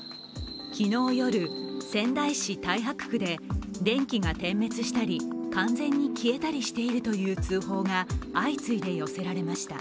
昨日夜、仙台市太白区で電気が点滅したり完全に消えたりしているという通報が相次いで寄せられました。